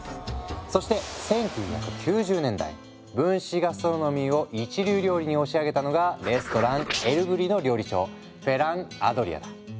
そして１９９０年代分子ガストロノミーを一流料理に押し上げたのがレストラン「エルブリ」の料理長フェラン・アドリアだ。